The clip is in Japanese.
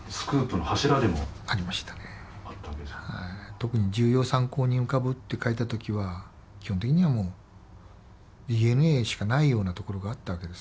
特に「重要参考人浮かぶ」って書いた時は基本的にはＤＮＡしかないようなところがあったわけですからね。